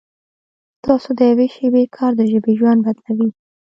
ستاسو د یوې شېبې کار د ژبې ژوند بدلوي.